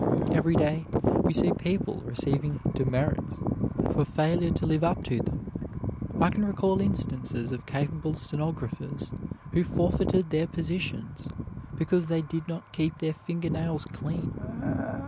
Every day we see people receiving "demerits" for failure to live up to them. I can recall instances of capable stenographers who forfeited their positions because they did not keep their finger nails clean.